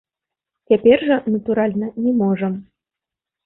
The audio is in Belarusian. Цяпер жа, натуральна, не можам.